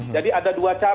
jadi ada dua cara